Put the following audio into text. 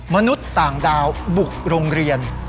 มนุษย์ต่างดาวบุกโรงเรียน